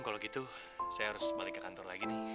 kalau gitu saya harus balik ke kantor lagi nih